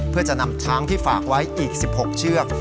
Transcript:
เพื่อจะนำช้างที่ฝากไว้อีก๑๖เชือก